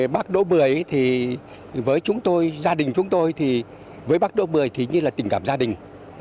bác đỗ mười thì với chúng tôi gia đình chúng tôi thì với bác đỗ mười thì như là tình cảm gia đình